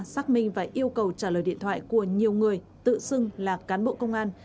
xác minh và yêu cầu trả lời điện thoại của nhiều người tự xưng là cán bộ công an